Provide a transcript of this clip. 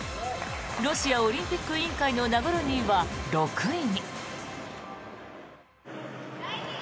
ロシアオリンピック委員会のナゴルニーは６位に。